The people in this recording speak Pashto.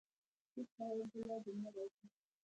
شيخ صاحب بله جمعه راځي.